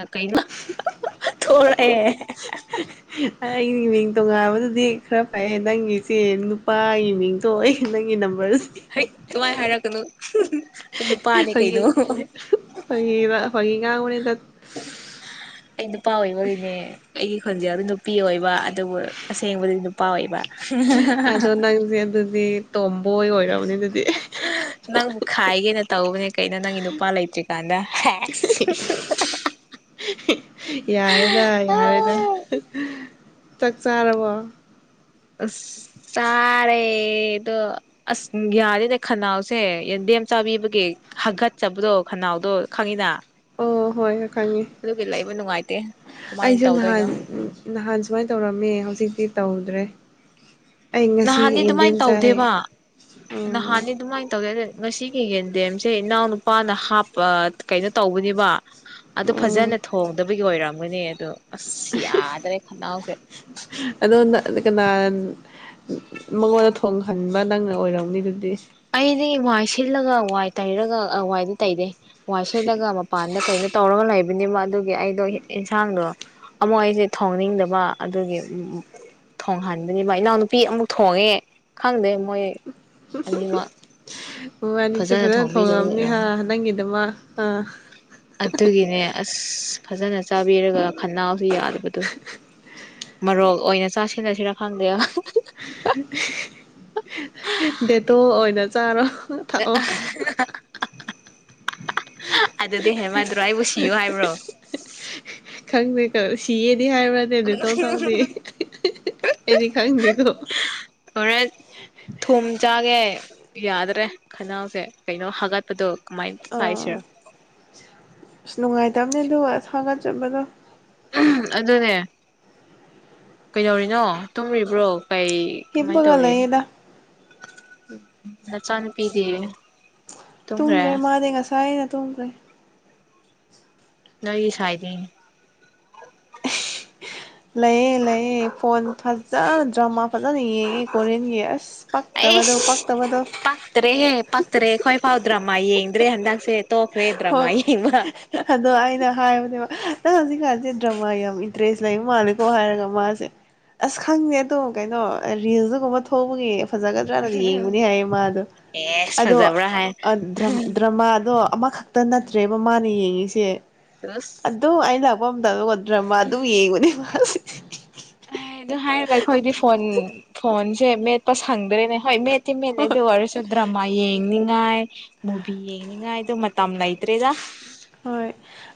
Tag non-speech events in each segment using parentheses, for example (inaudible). ꯑ ꯀꯩꯅ‌ꯣ ꯊꯣꯛꯔꯛꯑꯦ ꯑꯩꯒꯤ ꯃꯤꯡ ꯇꯣꯉꯥꯟꯕꯗꯨꯗꯤ ꯈꯔ ꯐꯩꯑꯦ ꯅꯪꯒꯤꯁ‌ꯦ ꯅꯨꯄꯥꯒꯤ ꯃꯤꯡ ꯇ‌ꯣ ꯑꯩꯒꯤ ꯅꯪꯒꯤ ꯅꯝꯕꯔꯁ‌ꯦ ꯍꯦꯛ ꯑꯗꯨꯃꯥꯏꯅ ꯍꯥꯏꯔꯛꯀꯅꯨ ꯅꯨꯄꯥꯅꯦ ꯐꯥꯒꯤ ꯀꯩꯅꯣ ꯐꯥꯒꯤꯒ ꯐꯥꯒꯤ ꯉꯥꯡꯕꯅꯤꯗ ꯑꯩ ꯅꯨꯄꯥ ꯑꯣꯏꯕꯒꯤꯅꯦ ꯑꯩꯒꯤ ꯈꯣꯟꯖꯦꯜꯗꯤ ꯅꯨꯄꯤ ꯑꯣꯏꯕ ꯑꯗꯨꯕꯨ ꯑꯁꯦꯡꯕꯗꯤ ꯅꯨꯄꯥ ꯑꯣꯏꯕ ꯑꯗꯣ ꯅꯪꯁꯦ ꯑꯗꯨꯗꯤ ꯇꯣꯝꯕꯣꯏ ꯑꯣꯏꯔꯕꯅꯦ ꯑꯗꯨꯗꯤ ꯅꯪꯕꯨ ꯈꯥꯏꯒꯦꯅ ꯇꯧꯕꯅꯦ ꯀꯩꯅꯣ ꯅꯪꯒꯤ ꯅꯨꯄꯥ ꯂꯩꯇ꯭ꯔꯤꯀꯥꯟꯗ (unintelligible) ꯌꯥꯔꯦꯗ ꯌꯥꯔꯦꯗ ꯆꯥꯛ ꯆꯥꯔꯕꯣ ꯑꯁ ꯇꯥꯔꯦꯗ‌ꯣ ꯑꯁ ꯌꯥꯔꯦꯅꯦ ꯈꯅꯥꯎꯁꯦ ꯌꯦꯟꯗꯦꯝ ꯆꯥꯕꯤꯕꯒꯤ ꯍꯥꯒꯠꯆꯕꯗꯣ ꯈꯅꯥꯎꯗꯣ ꯈꯪꯉꯤꯅ ꯑꯣ ꯍꯣꯏ ꯍꯣꯏ ꯈꯪꯉꯦ ꯑꯗꯨꯒꯤ ꯂꯩꯕ ꯅꯨꯡꯉꯥꯏꯇꯦ ꯀꯃꯥꯏꯅ ꯑꯩꯁꯨ ꯇꯧꯗꯣꯏꯅꯣ ꯅꯍꯥꯟ ꯅꯍꯥꯟ ꯁꯨꯃꯥꯏ ꯇꯧꯔꯝꯃꯦ ꯍꯧꯖꯤꯛꯇꯤ ꯇꯧꯗ꯭ꯔꯦ ꯑꯩ ꯅꯍꯥꯟꯗꯤ ꯉꯁꯤ ꯑꯗꯨꯃꯥꯏꯅ ꯌꯦꯟꯗꯦꯝ ꯆꯥꯏꯌꯦ ꯇꯧꯗꯦꯕ ꯑꯣ ꯅꯍꯥꯟꯗꯤ ꯑꯗꯨꯃꯥꯏꯅ ꯇꯧꯗꯦ ꯉꯁꯤꯒꯤ ꯌꯦꯟꯗꯦꯝꯁꯦ ꯏꯅꯥꯎꯅꯨꯄꯥꯅ ꯍꯥꯞꯄ ꯀꯩꯅꯣ ꯇꯧꯕꯅꯤꯕ ꯑꯗꯨ ꯑꯣ ꯐꯖꯅ ꯊꯣꯡꯗꯕꯒꯤ ꯑꯣꯏꯔꯝꯒꯅꯤ ꯑꯗꯣ ꯑꯁ ꯌꯥꯗ꯭ꯔꯦ ꯈꯅꯥꯎꯁꯦ ꯑꯗ‌ꯣ ꯅꯪ ꯀꯅꯥ ꯃꯉꯣꯟꯗ ꯊꯣꯡꯍꯟꯕ ꯅꯪꯅ ꯑꯣꯏꯔꯝꯅꯤ ꯑꯗꯨꯗꯤ ꯑꯩꯗꯤ ꯋꯥꯏ ꯁꯤꯜꯂꯒ ꯋꯥꯏ ꯇꯩꯔꯒ ꯋꯥꯏꯗꯤ ꯇꯩꯗꯦ ꯋꯥꯏ ꯁꯤꯜꯂꯒ ꯃꯄꯥꯟꯗ ꯀꯩ ꯇꯧꯔꯒ ꯂꯩꯕꯅꯦꯕ ꯑꯗꯨꯒꯤ ꯑꯩꯗꯣ ꯏꯟꯁꯥꯡꯗꯣ ꯑꯃꯨꯛ ꯑꯩꯁꯦ ꯊꯣꯡꯅꯤꯡꯗꯕ ꯑꯗꯨꯒꯤ ꯎꯝ ꯎꯝ ꯊꯣꯡꯍꯟꯕꯅ‌ꯦꯕ ꯏꯅꯥꯎꯅꯨꯄꯤ ꯑꯃꯨꯛ ꯊꯣꯡꯉꯦ ꯈꯪꯗꯦ ꯃꯣꯏ ꯑꯅꯤꯃꯛ ꯃ‌ꯣꯏꯕꯥꯟꯅꯤꯁꯨ ꯐꯖꯅ ꯊꯣꯡꯕꯤꯗꯕꯒꯤ ꯊꯣꯡꯉꯝꯃꯅꯤ ꯍꯥ ꯑꯣꯏꯔꯝꯅꯤ ꯅꯪꯒꯤꯗꯃꯛ ꯑꯥ ꯑꯗꯨꯒꯤꯅꯦ ꯑꯁ ꯐꯖꯅ ꯆꯥꯕꯤꯔꯒ ꯈꯅꯥꯎꯁꯨ ꯌꯥꯗꯕꯗꯣ ꯃ‌ꯔꯣꯛ ꯑꯣꯏꯅ ꯆꯥꯁꯤꯜꯂꯁꯤꯔꯥ ꯈꯪꯗꯦꯗ ꯗꯦꯇꯣꯜ ꯑꯣꯏꯅ ꯆꯥꯔꯣ ꯊꯛꯑꯣ (unintelligible) ꯑꯗꯨꯗꯤ ꯍꯦꯟꯃꯟꯗꯔꯣ ꯑꯩꯕꯨ ꯁꯤꯌ‌ꯣ ꯍꯥꯏꯕ꯭ꯔꯣ ꯈꯪꯗꯦ ꯀ‌ꯣ ꯁꯤꯌꯦꯗꯤ ꯍꯥꯏꯕ꯭ꯅꯤ ꯗ‌ꯦꯇ‌ꯣꯜ ꯊꯛꯑꯗꯤ ꯑꯩꯗꯤ ꯈꯪꯗꯦꯀꯣ ꯍ‌ꯣꯏꯔ‌ꯦꯟ ꯊꯨꯝ ꯆꯥꯒꯦ ꯌꯥꯗ꯭ꯔꯦ ꯈꯅꯥꯎꯁꯦ ꯀꯩꯅꯣ ꯍꯥꯒꯠꯄꯗꯣ ꯀꯃꯥꯏꯅ ꯑꯥ ꯁꯥꯏꯁꯤꯔ ꯑꯁ ꯅꯨꯡꯉꯥꯏꯇꯕꯅꯦꯗꯨ ꯍꯥꯒꯠꯆꯕꯗꯣ ꯑꯗꯨꯅꯦ ꯀꯩꯗꯧꯔꯤꯅꯣ ꯇꯨꯝꯔꯤꯕ꯭ꯔꯣ ꯀꯩ ꯀꯃꯥꯏ ꯍꯤꯞꯄꯒ ꯇꯧꯔꯤ ꯂꯩꯌꯦꯗ ꯎꯝ ꯅꯆꯥꯅꯨꯄꯤꯗꯤ ꯇꯨꯝꯈ꯭ꯔꯦ ꯃꯥꯗꯤ ꯉꯁꯥꯏꯅ ꯇꯨꯝꯈ꯭ꯔꯦ ꯅꯣꯏ ꯁꯥꯏꯗꯤ ꯂꯩꯌꯦ ꯂꯩꯌꯦ ꯐꯣꯟ ꯐꯖꯅ ꯗ꯭ꯔꯃꯥ ꯐꯖꯅ ꯌꯦꯡꯉꯦ ꯀꯣꯔꯤꯌꯟꯒꯤ ꯑꯁ ꯇꯕ ꯑꯗꯨ ꯄꯛꯇꯥꯕ ꯄꯛꯇꯔꯦꯍꯦ ꯄꯛꯇꯔꯦ ꯑꯩꯈꯣꯏꯐꯥꯎ ꯗ꯭ꯔꯃꯥ ꯌꯦꯡꯗ꯭ꯔꯦ ꯍꯟꯗꯛꯁꯦ ꯇꯣꯛꯈ꯭ꯔꯦ ꯗ꯭ꯔꯃꯥ ꯍꯣꯏ ꯌꯦꯡꯕ꯫ ꯑꯗꯣ ꯑꯩꯅ ꯍꯥꯏꯕꯅꯦꯕ ꯅꯪ ꯍꯧꯖꯤꯛꯀꯥꯟꯁꯦ ꯗ꯭ꯔꯃꯥ ꯌꯥꯝ ꯏꯟꯇꯔꯦꯁ ꯂꯩꯕ ꯃꯥꯅꯤꯀꯣ ꯍꯥꯏꯔꯒ ꯃꯥꯁꯦ ꯑꯁ ꯈꯪꯗꯦ ꯑꯗꯨꯝ ꯀꯩꯅꯣ ꯔꯤꯜꯁꯒꯨꯝꯕ ꯊꯣꯛꯄꯒꯤ ꯐꯖꯒꯗ꯭ꯔꯅ ꯌꯦꯡꯕꯅꯤ ꯍꯥꯏꯌꯦ ꯃꯥꯗꯣ ꯑꯦꯁ ꯑꯗꯣ ꯐꯖꯕ꯭ꯔꯥ ꯍꯥꯏ ꯗ꯭ꯔꯃꯥꯗꯣ ꯑꯃꯈꯛꯇ ꯅꯠꯇ꯭ꯔꯦꯕ ꯃꯥꯅ ꯌꯦꯡꯉꯁꯦ꯫ ꯇꯁ! ꯑꯗꯨꯝ ꯑꯩꯩꯅ ꯂꯥꯛꯄ ꯃꯇꯝꯗꯣ ꯗ꯭ꯔꯃ ꯑꯗꯨꯝ ꯌꯦꯡꯉꯨꯅꯦ ꯃꯥꯁꯦ꯫ ꯑꯗꯨ ꯍꯥꯏꯔꯒ ꯑꯩꯈꯣꯏꯗꯤ ꯐꯣꯟ ꯐꯣꯟꯁꯦ ꯃꯦꯠꯄ ꯁꯪꯗ꯭ꯔꯦꯅꯦ ꯍꯣꯏ ꯃꯦꯠ ꯇ ꯃꯦ ꯍꯣꯏ ꯗꯤꯋꯥꯔ ꯁꯨꯗ꯭ꯔꯃ ꯌꯦ꯫ ꯌꯦꯡꯅꯤꯡꯉꯥꯏ ꯃꯨꯚꯤ ꯌꯦꯡꯅꯤꯡꯉꯥꯏꯗ ꯃꯇꯝ ꯂꯩꯇ꯭ꯔꯦꯗ ꯍꯣꯏ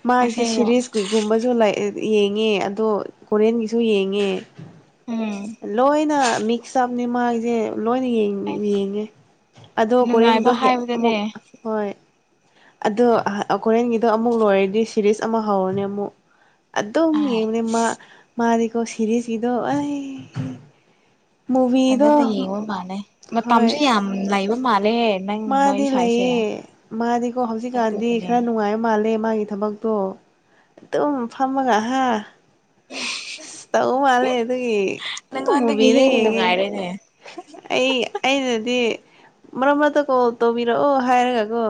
ꯃꯥꯏꯁꯦ ꯑꯁꯦꯡꯕ ꯁꯦꯔꯤꯁ ꯀꯨꯏ ꯨꯝꯕꯁꯨ ꯌꯦꯡꯉꯦ ꯑꯗꯣ ꯀꯣꯔꯤꯌꯟꯒꯤꯁꯨ ꯌꯦꯡꯉꯦ ꯎꯝ ꯂꯣꯏꯅ ꯃꯤꯛꯁ ꯑꯞꯅꯤ ꯃꯥꯒꯤꯁꯦ ꯂꯣꯏꯅ ꯌꯦꯡꯉ꯫ ꯌꯦꯡꯉꯦ ꯑꯗꯣ ꯀꯣꯔꯦꯟꯗꯣ ꯅꯨꯡꯉꯥꯏꯕ ꯍꯦꯛ ꯍꯥꯏꯕꯗꯅꯦ ꯑꯃꯨꯛ ꯍꯣꯏ ꯑꯗꯣ ꯑꯩꯈꯣꯔꯦꯟꯒꯤꯗꯣ ꯑꯃꯨꯛ ꯂꯣꯏꯔꯗꯤ ꯁꯤꯦꯔꯤꯁ ꯑꯃ ꯍꯧꯔꯅꯦ ꯑꯃꯨꯛ ꯑꯗꯨꯝ ꯑꯥꯏ ꯌꯦꯡꯅꯦꯃꯥ ꯃꯥꯔꯤ ꯀꯧꯕ ꯁꯔꯤꯁꯀꯤꯗꯣ ꯑꯩ ꯐꯖꯅ ꯃꯨꯚꯤꯗꯣ ꯌꯦꯡꯉꯨ ꯃꯥꯜꯂꯦ ꯃꯇꯝꯁꯨ ꯍꯣꯏ ꯌꯥꯝ ꯂꯩꯕ ꯃꯥꯜꯂꯦ ꯃꯥꯗꯤ ꯂꯩꯌꯦ ꯃꯥꯗꯤꯀꯣ ꯍꯧꯖꯤꯛꯀꯥꯟꯗꯤ ꯑꯗꯨꯒꯤꯅꯦ ꯈꯔ ꯅꯨꯡꯉꯥꯏꯕ ꯃꯥꯜꯂꯦ ꯃꯥꯒꯤ ꯊꯕꯛ ꯣ (unintelligible) ꯑꯦꯇꯝ ꯐꯥꯝꯃ ꯉ ꯍꯥꯏ ꯑꯁ ꯇꯧ ꯃꯥꯜꯂꯦ ꯑꯗꯨꯒꯤ ꯅꯪꯉꯣꯟꯗꯒꯤ ꯃꯨꯕꯤꯗꯥ ꯍꯦꯟꯅ ꯌꯦꯡꯉꯦ꯫ ꯅꯨꯡꯉꯥꯏꯔꯦꯅꯦ ꯑꯩ ꯑꯩꯅꯗꯤ ꯃꯔꯛ ꯃꯔꯛꯇ ꯀꯣꯜ ꯇꯧꯕꯤꯔꯛꯑꯣ ꯍꯥꯏꯔꯒꯀꯣ꯫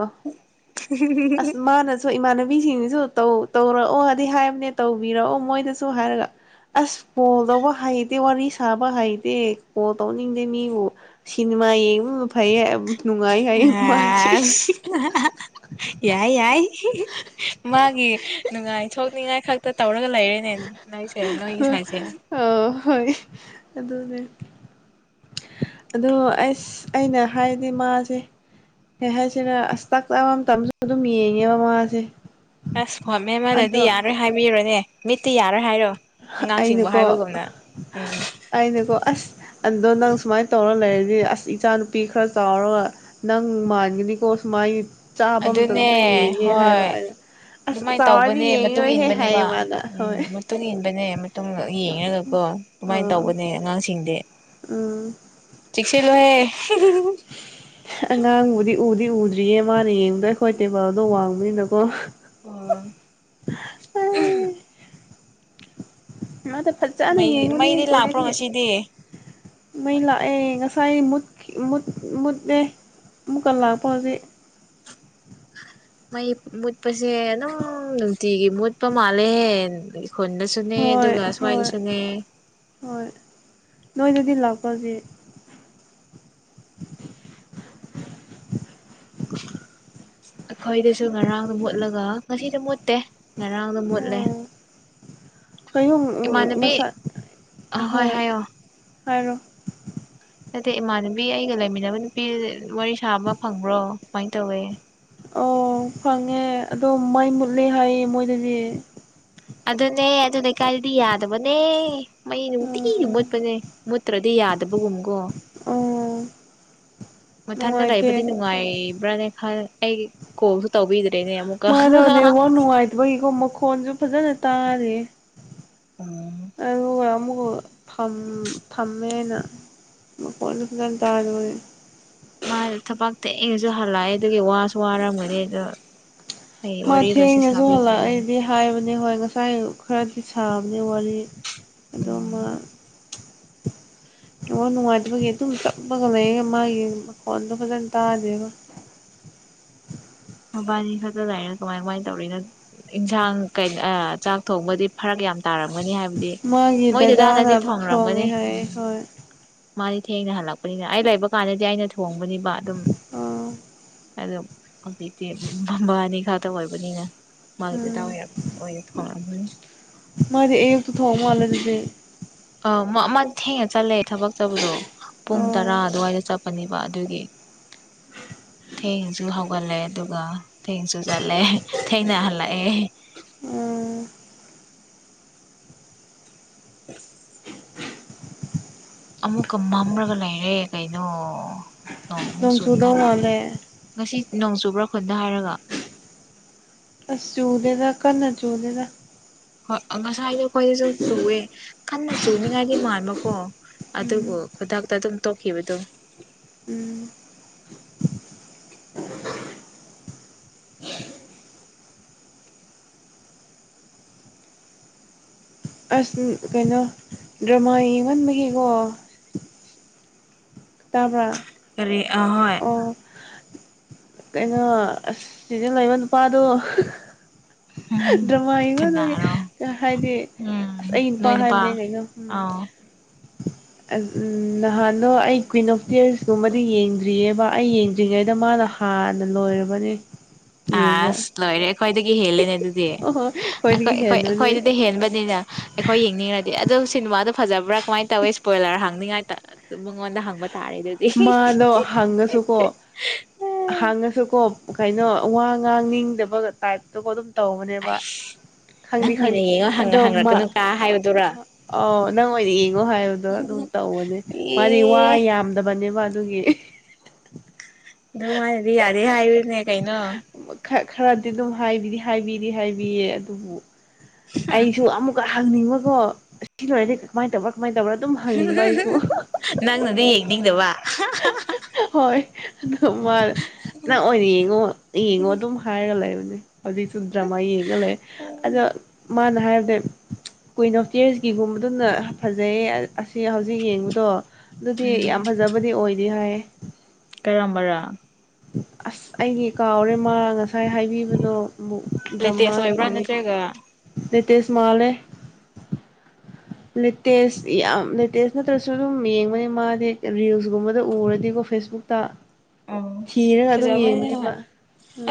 ꯑꯁ ꯃꯥꯅ ꯏꯃꯥꯟꯅꯕꯤꯁꯤꯡꯁꯤꯁꯨꯧ ꯇꯧꯔꯛꯑꯣ ꯑꯩ ꯍꯥꯏꯝꯅꯦ ꯇꯧꯕꯤꯔꯛꯑꯣ ꯃꯣꯏꯗꯁꯨ ꯍꯥꯏꯔꯒ ꯑꯁ ꯀꯣꯜ ꯇꯧꯕ ꯍꯩꯇꯦ ꯋꯥꯔꯤ ꯁꯥꯕ ꯍꯩꯇꯦ ꯀꯣꯜ ꯇꯧꯅꯤꯡꯗꯦ ꯃꯤꯕꯨ ꯁꯤꯟꯃ ꯌꯦꯡꯕꯅꯥ ꯐꯌꯦ ꯑꯁ ꯌꯥꯏ ꯌꯥꯏ ꯃꯥꯒꯤ ꯅꯨꯡꯉꯥꯏꯊꯣꯛꯅꯤꯡꯉꯥꯏ ꯈꯛꯇ ꯇꯧꯔꯒ ꯂꯩꯔꯦꯅꯦ꯫ ꯅꯏꯁꯦ ꯅꯣꯏ ꯁꯥꯏꯁꯦ ꯍꯣ ꯍꯣꯏ ꯑꯗꯨꯅꯦ ꯑꯗꯣ ꯑꯁ ꯑꯩꯅ ꯍꯥꯏꯗꯤ ꯃꯥꯁꯦ ꯀꯔꯤ ꯍꯥꯏꯁꯔ ꯑꯁꯇꯥꯛ ꯇꯥꯕ ꯃꯇꯝꯗ ꯑꯗꯨꯝ ꯌꯦꯡꯉꯦꯕ ꯃꯉꯥꯁꯦ ꯑꯁ ꯐꯣꯟ ꯃꯦꯝꯃꯗꯗꯤ ꯌꯥꯔꯣꯏ ꯍꯥꯏꯕꯤꯕꯅꯦ ꯃꯤꯠꯇꯤ ꯌꯥꯔꯣꯏ ꯍꯥꯏꯌꯣ ꯑꯩꯅꯀꯣ ꯑꯩꯅꯀꯣ ꯑꯁ ꯑꯗꯣ ꯅꯪ ꯁꯨꯃꯥꯏꯅ ꯇꯧꯔ ꯂꯩꯔꯗꯤ ꯑꯁ ꯏꯆꯥꯅꯨꯄꯤ ꯈꯔ ꯆꯥꯎꯔꯒ ꯅꯪ ꯃꯥꯟꯒꯅꯤꯀꯣ ꯁꯨꯃꯥꯏ ꯆꯥꯕ ꯃꯇꯝꯗꯁꯨ ꯑꯗꯨꯅꯦ ꯌꯦꯡꯉꯦ ꯍꯥꯏꯕ ꯍꯣꯏ ꯑꯁ ꯑꯗꯨꯃꯥꯏꯅ ꯆꯥꯎꯋꯥꯔꯗꯤ ꯇꯧꯕꯅꯦ ꯃꯇꯨꯡ ꯌꯦꯡꯉꯤꯣꯏꯍꯦ ꯏꯟꯕꯅꯦꯕ ꯍꯥꯏꯌꯦ ꯃꯥꯅ ꯍꯣꯏ ꯎꯝ ꯃꯇꯨꯡ ꯏꯟꯕꯅꯦ ꯃꯇꯨꯡꯗ ꯌꯦꯡꯉꯒꯀꯣ ꯑꯗꯨꯃꯥꯏꯅ ꯑꯥ ꯇꯧꯕꯅꯦ ꯑꯉꯥꯡꯁꯤꯡꯗꯤ꯫ ꯎꯝ ꯆꯦꯛꯁꯤꯜꯂꯨꯍꯦ ꯍꯤꯍꯤ ꯑꯉꯥꯡꯕꯨꯗꯤ ꯎꯗꯤ ꯎꯗ꯭ꯔꯤꯌꯦ ꯃꯥꯅ ꯌꯦꯡꯕꯗꯣ ꯑꯩꯈꯣꯏ ꯇꯦꯕꯜꯗꯣ ꯋꯥꯡꯕꯅꯤꯅꯀꯣ꯫ ꯑꯣ ꯎꯝ ꯃꯥꯗ ꯐꯖꯅ ꯃꯩꯗꯤ ꯌꯦꯡꯕꯅꯤ ꯃꯩꯗꯤ ꯀꯣꯔꯤꯌꯟ ꯂꯥꯛꯄ꯭ꯔꯣ ꯒꯤ ꯉꯁꯤꯗꯤ ꯃꯩ ꯂꯥꯛꯑꯦ ꯉꯁꯥꯏ ꯃꯨꯠ ꯃꯨꯠꯂꯦ ꯑꯃꯨꯛ ꯂꯥꯛꯄ ꯍꯥꯑꯖꯤꯛ ꯃꯩ ꯃꯨꯠꯄꯁꯦ ꯑꯗꯨꯝ ꯅꯨꯡꯇꯤꯒꯤ ꯃꯨꯠꯄ ꯃꯥꯜꯂꯦ ꯈꯨꯅꯗꯁꯨꯅꯦ ꯍꯣꯏ ꯑꯥꯗꯨꯒ ꯍꯣꯏ ꯁ꯭ꯋꯥꯏꯁꯨꯅꯦ ꯍꯣꯏ ꯅꯣꯏꯗꯗꯤ ꯂꯥꯛꯄꯔ ꯍꯣꯖꯤꯛ ꯑꯩꯈꯣꯏꯗꯁꯨ ꯉꯔꯥꯡ ꯃꯨꯠꯂꯒ ꯉꯁꯤꯗ ꯃꯨꯠꯇꯦ ꯉꯔꯥꯡꯗ ꯃꯨꯠꯂꯦ ꯀꯩꯅꫭ ꯏꯃꯥꯟꯅꯕꯤ ꯃꯁꯥꯏ ꯑꯍꯣꯏ ꯍꯣꯏ ꯍꯥꯏꯔꯣ ꯅꯇꯦ ꯏꯃꯥꯟꯅꯕꯤ ꯑꯩꯒ ꯂꯩꯃꯤꯟꯅꯕ ꯅꯨꯄꯤ ꯋꯥꯔꯤ ꯁꯥꯕ ꯐꯪꯕ꯭ꯔꯣ ꯀꯃꯥꯏ ꯇꯧꯋꯤ ꯑꯣ ꯐꯪꯉꯦ ꯑꯗꯣ ꯃꯩ ꯃꯨꯠꯂꯦ ꯍꯥꯏꯌꯦ ꯃꯣꯏꯗꯗꯤ ꯑꯗꯨꯅꯦ ꯑꯗꯨ ꯂꯩꯀꯥꯏꯗꯨꯗꯤ ꯌꯥꯗꯕꯅꯦ ꯃꯩ ꯅꯨꯡꯇꯤꯒꯤ ꯎꯝ ꯃꯨꯠꯄꯅꯦ ꯃꯨꯠꯇ꯭ꯔꯗꯤ ꯌꯥꯗꯕꯒꯨꯝꯀꯣ ꯑꯣ ꯃꯊꯟꯇ ꯅꯨꯡꯉꯥꯏꯇꯦ ꯂꯩꯕꯨꯗꯤ ꯅꯨꯡꯉꯥꯏꯕ꯭ꯔꯥꯅꯦ ꯈ ꯑꯩ ꯀꯣꯜꯁꯨ ꯇꯧꯕꯤꯗ꯭ꯔꯦꯅꯦ ꯑꯃꯨꯛ ꯃꯥꯗꫭ ꯅꯦꯠꯋꯥꯛ ꯅꯨꯡꯉꯥꯏꯇꯕꯩ ꯀꫭ ꯃꯈꯣꯟꯖꯨ ꯐꯖꯅ ꯇꯥꯗꯦ ꯎꯝ ꯑꯗꯨꯒ ꯑꯃꯨꯛꯀꯥ ꯐꯝ ꯐꯝꯃꯦꯅ ꯃꯈꫭꯟꯖꯨ ꯐꯖꯟ ꯇꯥꯔꯣꯏ ꯃꯥ ꯊꯕꯥꯛ ꯊꯦꯡꯅꯁꯨ ꯍꯜꯂꯛꯑꯦ ꯑꯗꯨꯒꯤ ꯋꯥꯁꯨ ꯋꯥꯔꯝꯒꯅꯤ ꯑꯗꯨ ꯑꯩ ꯃꯥ ꯋꯥꯔꯤꯒꯥꯁꯦ ꯊꯦꯡꯅꯁꯨ ꯁꯥꯕꯤꯗ꯭ꯔꯦꯅꯦ ꯍꯜꯂꯛꯑꯦꯗꯤ ꯍꯥꯏꯕꯅꯦ ꯍꯣꯏ ꯉꯁꯥꯏ ꯑꯈꯔꯗꯤ ꯁꯥꯕꯅꯦ ꯋꯥꯔꯤ ꯑꯗꫭ ꯎꯝ ꯃꯥ ꯅꯦꯋꯥꯛ ꯅꯨꯡꯉꯥꯏꯇꯕꯒꯤ ꯑꯗꯨꯝ ꯆꯞꯄꯒ ꯂꯩꯌꯦ ꯃꯥꯒꯤ ꯃꯈꯣꯟꯗꯣ ꯐꯖꯅ ꯇꯥꯗꯦꯕ ꯃꯕꯥꯅꯤ ꯈꯛꯇ ꯂꯩꯔꯒ ꯀꯃꯥꯏ ꯀꯃꯥꯏꯅ ꯇꯧꯔꯤꯅꫭ ꯏꯟꯁꯥꯡ ꯀꯩ ꯑꯥ ꯆꯥꯛ ꯊꯣꯡꯕꯗꯤ ꯐꯔꯛ ꯌꯥꯝ ꯇꯥꯔꯝꯒꯅꯤ ꯍꯥꯏꯕꯗꯤ ꯃꯥꯒꯤ ꯃꯣꯏꯗꯨꯗ ꯍꯥꯟꯅꯗꯤ ꯗꯗꯥꯅ ꯊꯣꯡꯔꯝꯒꯅꯤ ꯊꯣꯡꯉꯦ ꯍꯥꯏꯌꯦ ꯎꯝ ꯍꯣꯏ ꯃꯥꯗꯤ ꯊꯦꯡꯅ ꯍꯜꯂꯛꯄꯅꯤꯅ ꯑꯩ ꯂꯩꯕ ꯀꯥꯟꯗꯗꯤ ꯑꯩꯅ ꯊꯣꯡꯕꯅꯤꯕ ꯑꯗꯨꯝ ꯑꯣ ꯑꯗꯣ ꯍꯧꯖꯤꯛꯇꯤ ꯃꯥꯃꯅꯤ ꯈꯛꯇ ꯑꯣꯏꯕꯅꯤꯅ ꯃꯥꯒꯤꯗꯤ ꯗꯥꯎ ꯎꯝ ꯌꯥꯝ ꯑꫭꯏꯊꫭꯛꯑꯝꯃꯅꯤ ꯃꯥꯗꯤ ꯑꯌꯨꯛꯇ ꯊꯣꯡꯃꯥꯜꯂꯦ ꯑꯗꯨꯗꯤ ꯑꯥ ꯃꯥ ꯃꯥꯗꯤ ꯊꯦꯡꯅ ꯆꯠꯂꯦ ꯊꯕꯛ ꯆꯠꯄꯗꯣ ꯄꯨꯡ ꯇꯔꯥ ꯑꯣ ꯑꯗꯨꯋꯥꯏꯗ ꯆꯠꯄꯅꯤ ꯑꯗꯨꯒꯤ ꯊꯦꯡꯅꯁꯨ ꯍꯧꯒꯠꯂꯦ ꯑꯗꯨꯒ ꯊꯦꯡꯁꯨ ꯆꯠꯂꯦ ꯊꯦꯡꯅ ꯍꯜꯂꯛꯑꯦ ꯎꯝ (unintelligible) ꯑꯃꯨꯛꯀ ꯃꯥꯝꯔꯒ ꯂꯩꯔꯦ ꯀꯩꯅꯣ ꯅꫭꯡ ꯑꯃꯨꯛ ꯅꯣꯡ ꯆꯨꯅꯤꯡꯉꯥꯏ ꯆꯨꯗꯧ ꯃꯥꯥꯜꯂꯦ ꯃꯥꯜꯂꯦ ꯉꯁꯤ ꯅꯣꯡ ꯆꯨꯕ꯭ꯔꯥ ꯈꯨꯟꯗ ꯍꯥꯏꯔꯒ ꯑꯁ ꯆꯨꯗꯦꯗꯥ ꯀꯟꯅ ꯆꯨꯗꯦꯗꯥ ꯍꯣꯏ ꯉꯁꯥꯏꯗꯣ ꯑꯩꯈꯣꯏꯖꯨ ꯆꯨꯋꯦ ꯀꯟꯅ ꯆꯨꯅꯤꯡꯉꯥꯏꯒꯤ ꯃꯥꯟꯕꯀꯣ ꯎꯝ ꯑꯗꯨꯕꯨ ꯈꯨꯗꯛꯇ ꯑꯗꯨꯝ ꯇꯣꯛꯈꯤꯕꯗꯣ ꯎꯝ ꯑꯁ ꯀꯩꯅꯣ ꯗ꯭ꯔꯃꯥ ꯌꯦꯡꯃꯟꯕꯒꯤꯀꯣ ꯇꯥꯕꯔ ꯀꯔꯤ ꯑꯍꯣꯏ ꯑꯣ ꯀꯩꯅꯣ ꯑꯁ ꯁꯤꯗꯥ ꯂꯩꯕ ꯅꯨꯄꯥꯗꯣ ꯎꯝ ꯗ꯭ꯔꯃꯥ ꯌꯦꯡꯃꯟꯕꯒꯤ ꯀꯅꯥꯔꯣ ꯍꯥꯏꯗꯤ ꯑꯁ ꯎꯝ ꯑꯩ ꯅꯣꯏ ꯅꯨꯄꯥ ꯍꯥꯏꯕꯅꯦ ꯀꯩꯅꯣ ꯎꯝ ꯑꯧ ꯎꯝ ꯅꯍꯥꯟꯅꫭ ꯑꯩꯒꯤ ꯀꯨꯋꯏꯤꯟ ꯑꯣꯐ ꯇꯤꯔꯁꯀꯨꯝꯕꯗꯤ ꯌꯦꯡꯗ꯭ꯔꯤꯌꯦꯕ ꯑꯩ ꯌꯦꯡꯗ꯭ꯔꯤꯉꯩꯗ ꯃꯥꯅ ꯍꯥꯟꯅ ꯂꯣꯏꯔꯕꯅꯦ (unintelligible) ꯑꯁ ꯂꯣꯏꯔꯦ ꯑꯩꯈꯣꯏꯗꯒꯤ ꯍꯦꯜꯂꯦꯅꯦ ꯑꯗꯨꯗꯤ ꯑꯣꯍꯣꯏ ꯑꯩꯈꯣꯏ ꯑꯩꯈꯣꯏꯗꯒꯤ ꯑꯩꯈꯣꯏ ꯍꯦꯟꯕꯅꯦ ꯑꯩꯈꯣꯏꯗꯨꯗꯩ ꯍꯦꯟꯕꯅꯤꯅ ꯑꯩꯈꯣꯏ ꯌꯦꯡꯅꯤꯡꯔꯥꯗꯤ ꯑꯗꯣ ꯁꯤꯅꯤꯃꯥꯗꯣ ꯐꯖꯕ꯭ꯔꯥ ꯀꯃꯥꯏꯅ ꯇꯧꯋꯤ ꯏꯁꯄꯣꯏꯂꯔ ꯍꯥꯡꯅꯤꯡꯉꯥꯏꯇꯥ ꯇꯨꯝ ꯃꯉꫭꯟꯗꯥ ꯍꯪꯕ ꯇꯥꯔꯦ ꯑꯗꯨꯗꯤ ꯃꯥꯗꯣ ꯍꯪꯉꯁꯨꯀꯣ ꯍꯪꯉꯁꯨꯀꯣ ꯀꯩꯅꯣ ꯋꯥ ꯉꯥꯡꯅꯤꯡꯗꯕ ꯇꯥꯏꯞꯇꯥꯀꫭ ꯑꯗꯨꯝ ꯇꯧꯕꯅꯦꯕ ꯈꯪꯗꯦ ꯅꯪ ꯑꯣꯏꯅ ꯈꯪꯗꯦ ꯌꯦꯡꯉꯣ ꯍꯪꯉ ꯑꯗꯣ ꯃꯥ ꯍꯪꯉꯛꯀꯅꯨ ꯀꯥ ꯍꯥꯏꯕꯗꯨꯔꯥ ꯑꯥꯎ ꯅꯪ ꯑꯣꯏꯅ ꯌꯦꯡꯉꯣ ꯍꯥꯏꯕꯗꯣ ꯑꯗꯨꯝ ꯇꯧꯕꯅꯦ ꯃꯥꯗꯤ ꯋꯥ ꯑꯦ ꯌꯥꯝꯗꯕꯅꯦꯕ ꯑꯗꯨꯒꯤ ꯗꯨꯃꯥꯏꯅꯗꯤ ꯌꯥꯗꯦ ꯍꯥꯏꯌꯨꯅꯦ ꯀꯩꯅꯣ ꯈꯔ ꯈꯔꯗꯤ ꯑꯗꯨꯝ ꯍꯥꯏꯕꯤꯗꯤ ꯍꯥꯏꯕꯤꯗꯤ ꯍꯥꯏꯕꯤꯌꯦ ꯑꯗꯨꯕꯨ ꯑꯩꯁꯨ ꯑꯃꯨꯛꯀꯥ ꯍꯪꯅꯤꯡꯕꯀꯣ ꯁꯤꯂꫭꯏꯔꯗꯤ ꯀꯃꯥꯏꯅ ꯇꯧꯔꯥ ꯀꯃꯥꯏ ꯇꯧꯕꯔꯥ ꯑꯗꯨꯝ ꯍꯪꯅꯤꯡꯕ ꯑꯩꯁꯨ ꯅꯪꯅꯗꯤ ꯌꯦꯡꯅꯤꯡꯗꯕ ꯍꯣꯏ ꯑꯗꯨꯃꯥꯅ ꯅꯪ ꯑꯣꯏꯅ ꯌꯦꯡꯉꯣ ꯌꯦꯡꯉꯣ ꯑꯗꯨꯝ ꯍꯥꯏꯔꯒ ꯂꯩꯕꯅꯤ ꯍꯧꯖꯤꯛꯁꯨ ꯗ꯭ꯔꯃꯥ ꯌꯦꯡꯉ ꯂꯩ ꯑꯗ ꯃꯥꯅ ꯍꯥꯏꯕꯗꯤ ꯀꯨꯏꯅ ꯐꯦꯁꯀꯤꯒꯨꯝꯕꯗꯨꯅ ꯐꯖꯩꯌꯦ ꯑꯁꯤ ꯍꯧꯖꯤꯛ ꯌꯦꯡꯕꯗꯣ ꯑꯗꯨꯗꯤ ꯌꯥꯝ ꯎꯝ ꯐꯖꯕꯗꯤ ꯑꯣꯏꯗꯤ ꯍꯥꯏ ꯀꯔꯝꯕꯔꯥ ꯑꯁ ꯑꯩꯗꯤ ꯀꯥꯎꯔꯦ ꯃꯥ ꯉꯁꯥꯏ ꯍꯥꯏꯕꯤꯕꯗꯣ ꯂꯦꯇꯦꯁ ꯗ꯭ꯔꯃꯥꯒꯤ ꯑꯣꯏꯕ꯭ꯔꯥ ꯃꯃꯤꯡ ꯅꯠꯇ꯭ꯔꯒ ꯅꯦꯠꯇꯦ ꯁꯃꯥꯜꯅꯦ ꯂꯦꯇꯦꯁ ꯌꯥꯝ ꯂꯦꯇꯦꯁ ꯅꯠꯇ꯭ꯔꯁꯨ ꯑꯗꯨꯝ ꯌꯦꯡꯕꯅꯤ ꯃꯥꯗꯤ ꯔꯤꯜꯁꯀꯨꯝꯕꯗ ꯎꯔꯗꯤꯀꯣ ꯐꯦꯁꯕꯨꯛ ꯃꯨꯛꯇ ꯎꯝ ꯐꯖꯕꯅꯤ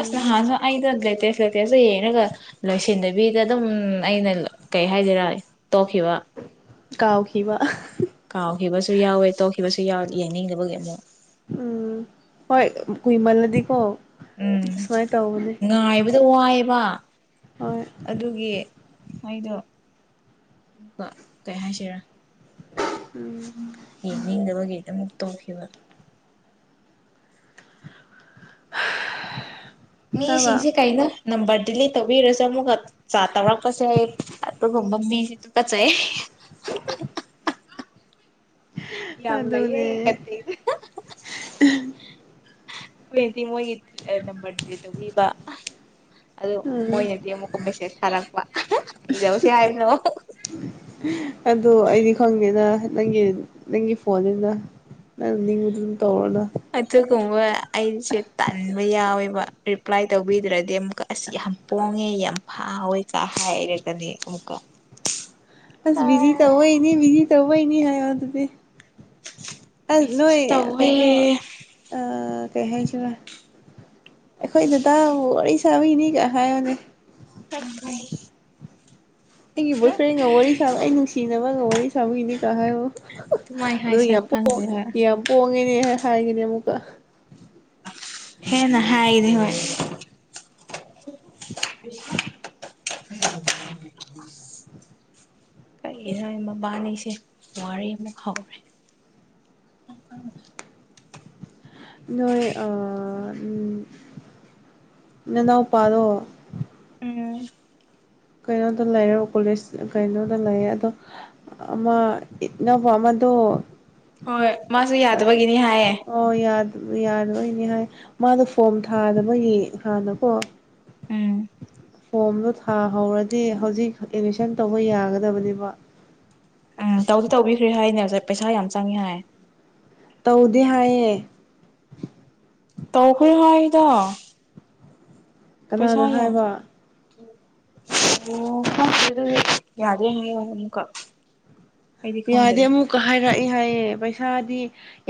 ꯑꯁ ꯅꯍꯥꯟꯁꯨ ꯑꯩꯗ ꯂꯦꯇꯦꯁ ꯂꯩꯦꯇꯦꯁꯇ ꯌꯦꯡꯉꯒ ꯂꯣꯏꯁꯟꯗꯕꯤꯗ ꯑꯗꯨꯝ ꯑꯩꯅ ꯀꯩ ꯍꯥꯏꯗꯔꯥ ꯇꯣꯛꯈꯤꯕ ꯀꯥꯎꯈꯤꯕ ꯋꯥ ꯀꯥꯎꯈꯤꯕꯁꯨ ꯌꯥꯎꯋꯦ ꯇꯧꯈꯤꯕꯁꯨ ꯌꯥꯎ ꯌꯥꯡꯅꯤꯡꯗꯕꯒꯤ ꯑꯃꯨꯛ ꯎꯝ ꯍꯣꯏ ꯀꯨꯏꯃꯜ ꯅꯗꯤ ꯀꯣ ꯎꯝ ꯏꯕ ꯑꯗꯨꯣ ꯋꯥꯏꯑꯕ ꯍꯣꯏ ꯑꯗꯨꯒꯤ ꯑꯩꯗꯣ ꯀꯩ ꯍꯥꯏꯁꯤꯦꯔꯥ ꯎꯝ ꯌꯦꯡꯅꯤꯡꯗꯅꯕꯒꯤꯗꯃꯛ ꯇꯧꯈꯤꯕ ꯇꯥꯕ꯭ꯔꯥ ꯃꯤꯁꯤꯡꯁꯤꯦ ꯀꯩꯅꯣ ꯅꯝꯕꯔ ꯗꯤꯂꯤꯠ ꯇꯧꯕꯤꯔꯁꯨ ꯑꯃꯨꯛꯀ ꯆꯥꯇ ꯇꯧꯔꯛꯄꯁꯦ ꯑꯗꯨꯒꯨꯝꯕ ꯃꯤꯁꯤ ꯇꯨꯀꯆꯩ ꯍ (unintelligible) ꯌꯥꯝ ꯂꯩꯌꯦ ꯑꯩ ꯑꯗꯨꯅꯦ ꯀꯠꯇꯦ ꯀꯨꯏꯗꯤ ꯃꯣꯏꯒꯤ ꯅꯝꯕꯔꯗꯦ ꯇꯧꯕꯤꯕ ꯑꯗꯨ ꯎꯝ ꯃꯣꯏꯅꯗꯤ ꯑꯃꯨꯛꯀ ꯃꯦꯁꯦꯖ ꯊꯥꯔꯛꯄ ꯀꯩꯗꯧꯁꯦ ꯍꯥꯏꯕꯅꯣ ꯑꯗꯨ ꯑꯩꯗꯤ ꯈꯪꯗꯦꯅ ꯅꯪꯒꯤ ꯅꯪꯒꯤ ꯐꯣꯟꯅꯤꯅ ꯅꯪ ꯅꯤꯡꯕꯗꯨ ꯇꯧꯔꯣꯅ ꯑꯗꯨꯒꯨꯝꯕ ꯑꯩꯁꯦ ꯇꯟꯕ ꯌꯥꯎꯋꯦꯕ ꯔꯤꯄ꯭ꯂꯥꯏ ꯇꯧꯕꯤꯗ꯭ꯔꯗꯤ ꯑꯃꯨꯛꯀ ꯑꯁ ꯌꯥꯝ ꯄꯣꯡꯉꯦ ꯌꯥꯝ ꯐꯥꯋꯦꯀꯥ ꯍꯥꯏꯔꯒꯅꯦ ꯑꯃꯨꯛꯀ ꯑꯁ ꯕꯤꯖꯤ ꯇꯧꯕꯩꯅꯤ ꯕꯤꯖꯤ ꯇꯧꯕꯩꯅꯤ ꯍꯥꯏꯑꯣ ꯑꯗꯨꯗꯤ ꯑ ꯅꯣꯏ ꯕꯤꯖꯤꯁꯨ ꯇꯧꯋꯦ ꯀꯩꯅꯣ ꯑ ꯀꯩ ꯍꯥꯏꯁꯤꯔ ꯑꯩꯈꯣꯏꯗꯗꯥ ꯋꯥꯔꯤ ꯁꯥꯕꯤꯅꯤꯒ ꯍꯥꯏꯌꯣꯅꯦ ꯀꯅꯤ (inaudible) ꯑꯩꯒꯤ ꯕꯣꯏ ꯐ꯭ꯔꯦꯟꯒ ꯋꯥꯔꯤ ꯁꯥꯕ ꯑꯩ ꯅꯨꯡꯁꯤꯅꯕꯒ ꯋꯥꯔꯤ ꯁꯥꯕꯒꯤꯅꯦ ꯀ ꯍꯥꯏꯌꯣ ꯇꯨꯃꯥꯏ ꯑꯗꯨ ꯍꯥꯏꯁꯤꯔ ꯌꯥꯝ ꯄꯣꯡ ꯈꯪꯔ (inaudible) ꯌꯥꯝ ꯄꯣꯡꯉꯦꯅꯦ ꯍꯥꯏꯒꯅꯤ ꯑꯃꯨꯛꯀ ꯍꯦꯅ ꯍꯥꯏꯔꯤ ꯍꯣꯏ ꯍ (inaudible) ꯀꯔꯤꯒꯤꯅ ꯃꯕꯥꯅꯤꯁꯦ ꯋꯥꯔꯤ ꯑꯃ ꯍꯥꯎꯔꯦ ꯑꯣ (inaudible) ꯅꯣꯏ ꯑ ꯎꯝ ꯅꯅꯥꯎ ꯄꯥꯔꯣ ꯎꯝ ꯀꯩꯅꯣꯗ ꯂꯩꯔꯦ ꯀꯣꯂꯦꯖ ꯀꯩꯅꯣꯗ ꯂꯩꯔꯦ ꯑꯗꯣ ꯑꯃ ꯏ ꯅꯕ ꯑꯃꯗꯣ ꯍꯣꯏ ꯃꯥꯁꯨ ꯌꯥꯗꯕꯒꯤꯅꯤ ꯍꯥꯏꯌꯦ ꯑꯣ ꯌꯥꯔꯣꯏꯅꯦ ꯍꯥꯏ ꯃꯥꯅ ꯐꯣꯝ ꯊꯥꯗꯕꯒꯤ ꯍꯥꯟꯅꯀꯣ ꯎꯝ ꯐꯣꯝꯗꯣ ꯊꯥꯍꯧꯔꯗꯤ ꯍꯧꯖꯤꯛ ꯑꯦꯠꯃꯤꯁꯟ ꯇꯧꯕ ꯌꯥꯒꯗꯕꯅꯦꯕ ꯎꯝ ꯇꯧꯗꯤ ꯇꯧꯕꯤꯈ꯭ꯔꯦ ꯍꯥꯏꯅꯦ ꯄꯩꯁꯥ ꯌꯥꯝ ꯆꯪꯉꯦ ꯍꯥꯏ ꯇꯧꯗꯦ ꯍꯥꯏꯌꯦ ꯇꯧꯈꯔꯦ ꯍꯥꯏꯗ ꯄꯩꯁꯥ ꯀꯅꯥꯅ ꯌꯥꯝ ꯍꯥꯏꯕ ꯑꯣ (unintelligible) ꯑꯩꯗꯤ ꯌꯥꯗꯦ ꯈꯪꯗꯔꯦ ꯑꯃꯨꯛꯀ ꯍꯥꯏꯔꯛꯏ ꯍꯥꯏꯌꯦ ꯄꯩꯁꯥꯗꯤ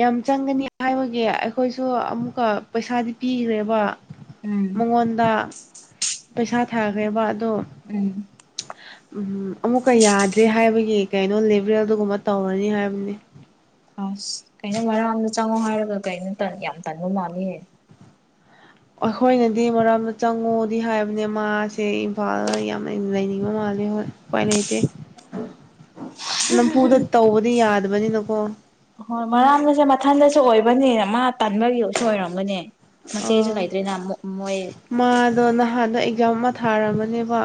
ꯌꯥꯝ ꯆꯪꯒꯅꯤ ꯍꯥꯏꯕꯒꯤ ꯑꯩꯈꯣꯏꯁꯨ ꯑꯃꯨꯛꯀ ꯄꯩꯁꯥꯗꯤ ꯄꯤꯈ꯭ꯔꯦꯕ ꯎꯝ ꯃꯉꯣꯟꯗ ꯄꯩꯁꯥ ꯊꯥꯈ꯭ꯔꯦꯕ ꯑꯗꯣ ꯎꯝ ꯎꯝꯝ ꯑꯃꯨꯛꯀ ꯌꯥꯗ꯭ꯔꯦ ꯍꯥꯏꯕꯒꯤ ꯀꯩꯅꯣ ꯂꯤꯦꯕꯔꯦꯜꯗꯨꯒꯨꯝꯕ ꯇꯧꯔꯅꯤ ꯍꯥꯏꯕꯅꯤ ꯑꯁ ꯀꯩꯅꯣ ꯃꯔꯥꯡꯗ ꯆꯪꯉꯣ ꯍꯥꯏꯔꯒ ꯀꯩꯅꯣ ꯌꯥꯝ ꯇꯟꯕ ꯃꯥꯜꯂꯦ ꯑꯩꯈꯣꯏꯅꯗꯤ ꯃꯔꯥꯝꯗ ꯆꯪꯉꯣꯗꯤ ꯍꯥꯏꯕꯅꯦ ꯃꯥꯁꯦ ꯏꯝꯐꯥꯜ ꯌꯥꯝꯅ ꯂꯩꯅꯤꯡꯕ ꯃꯥꯜꯂꯦ ꯍꯣꯏ ꯎꯄꯥꯏ ꯂꯩꯇꯦ ꯅꯝꯐꯨꯗ ꯇꯧꯕꯗꯤ ꯌꯥꯗꯕꯅꯤꯅꯀꯣ ꯍꯣꯏ ꯃꯔꯥꯝꯗꯁꯨ ꯃꯊꯟꯗꯁꯨ ꯑꯣꯏꯕꯅꯦꯅ ꯃꯥ ꯇꯟꯕꯒꯤ ꯑꯣꯏꯁꯨ ꯑꯣꯏꯔꯝꯒꯅꯦ ꯑ ꯃꯆꯦꯁꯨ ꯂꯩꯇ꯭ꯔꯦꯅ ꯃꯣꯏ ꯃꯥꯗꯣ ꯅꯍꯥꯟꯗꯣ ꯑꯦꯛꯖꯥꯝ ꯑꯃ ꯊꯥꯔꯝꯃꯅꯦꯕ